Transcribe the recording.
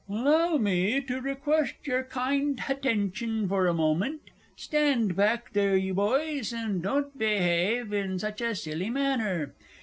Illow me to request yar kind hattention for a moment. (Stand back there, you boys, and don't beyave in such a silly manner!)